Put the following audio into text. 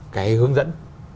cái hướng dẫn